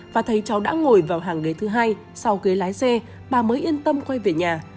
và thấy cháu đã ngồi vào hàng ghế thứ hai sau ghế lái xe bà mới yên tâm quay về nhà